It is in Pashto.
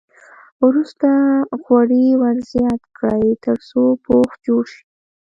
وروسته غوړي ور زیات کړئ تر څو پوښ جوړ شي.